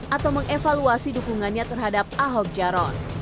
atau mengevaluasi dukungannya terhadap ahok jarot